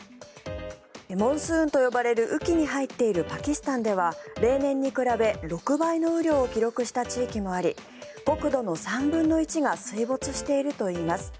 モンスーンと呼ばれる雨期に入っているパキスタンでは例年に比べ６倍の雨量を記録した地域もあり国土の３分の１が水没しているといいます。